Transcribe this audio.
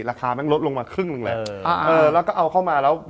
แล้วก็เอาเข้ามาแล้ว